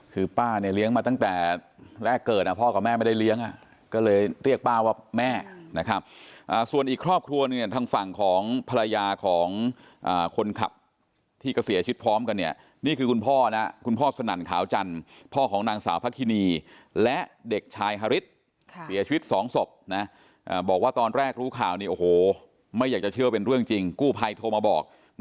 คือป้าเนี่ยเลี้ยงมาตั้งแต่แรกเกิดพ่อกับแม่ไม่ได้เลี้ยงอ่ะก็เลยเรียกป้าว่าแม่นะครับส่วนอีกครอบครัวเนี่ยทางฝั่งของภรรยาของคนขับที่ก็เสียชีวิตพร้อมกันเนี่ยนี่คือคุณพ่อนะคุณพ่อสนั่นขาวจันทร์พ่อของนางสาวพระคินีและเด็กชายฮาริสต์เสียชีวิตสองสบนะบอกว่าตอนแรกรู้ข่าวนี้โอ